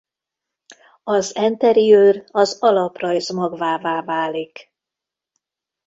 Az enteriőr az alaprajz magvává válik.